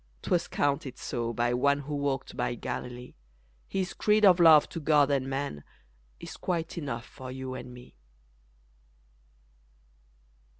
'Twas counted so By One Who walked by Galilee, His creed of love to God and man Is quite enough for you and me.